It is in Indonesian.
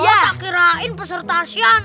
dia tak kirain peserta asian